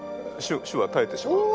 種はたえてしまう。